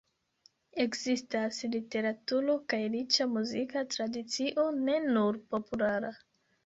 Ekzistas literaturo kaj riĉa muzika tradicio, ne nur populara.